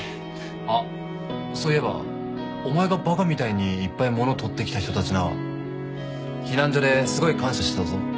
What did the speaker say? あっそういえばお前がバカみたいにいっぱい物取ってきた人たちな避難所ですごい感謝してたぞ。